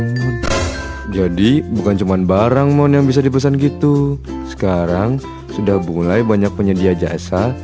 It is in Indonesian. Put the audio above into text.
jadi bukan cuma barang mon yang bisa dipesan gitu sekarang sudah mulai banyak penyedia jasa